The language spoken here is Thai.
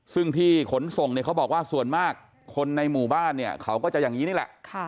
ซึ่งที่ขนส่งเนี่ยเขาบอกว่าส่วนมากคนในหมู่บ้านเนี่ยเขาก็จะอย่างนี้นี่แหละ